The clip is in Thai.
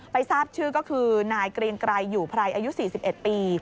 ไปทราบชื่อก็คือนายกรีนไกรอยู่ภรรย์อายุ๔๑ปี